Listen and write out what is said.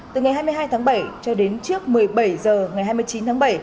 từ ngày hai mươi hai tháng bảy cho đến trước một mươi bảy h ngày hai mươi chín tháng bảy